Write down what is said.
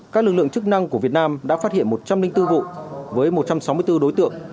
các lực lượng chức năng của việt nam đã phát hiện một trăm linh bốn vụ với một trăm sáu mươi bốn đối tượng